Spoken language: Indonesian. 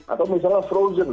atau misalnya frozen